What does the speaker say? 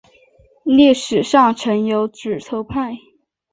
历史上曾有指头派。